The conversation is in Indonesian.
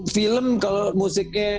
film kalau musiknya